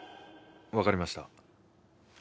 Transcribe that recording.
分かりました。